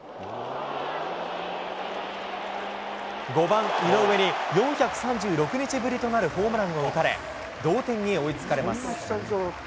５番井上に４３６日ぶりとなるホームランを打たれ、同点に追いつかれます。